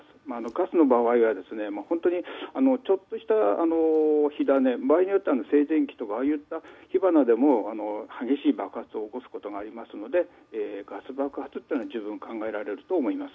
ガスの場合はちょっとした火種場合によっては静電気とかああいった火花でも激しい爆発を起こすこともありますのでガス爆発というのは十分考えられると思います。